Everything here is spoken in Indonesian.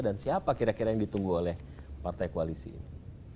dan siapa kira kira yang ditunggu oleh partai koalisi ini